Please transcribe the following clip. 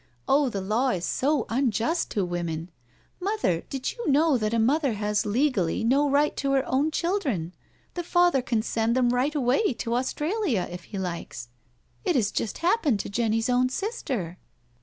Oh, the law is so unjust to women I Mother, did you know that a mother has legally no right to her own children — ^the father can send them right away to Australia, if he likes? It has just happened to Jenny's own sister."